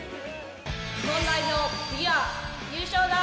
日本代表、次は優勝だ！